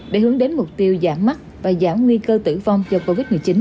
để hướng đến mục tiêu giảm mắt và giảm nguy cơ tử vong do covid một mươi chín